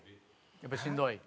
やっぱりしんどい？